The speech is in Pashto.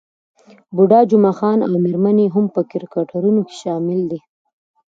بوډا جمعه خان او میرمن يې هم په کرکټرونو کې شامل دي.